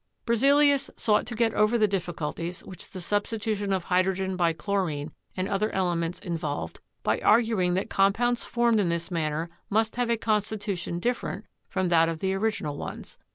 Berzelius sought to get over the difficulties which the substitution of hydrogen by chlorine and other elements involved, by arguing that compounds formed in this man ner must have a constitution different from that of the original ones.